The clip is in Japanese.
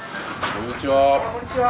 こんにちは。